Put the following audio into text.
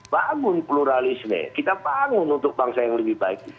bangun pluralisme kita bangun untuk bangsa yang lebih baik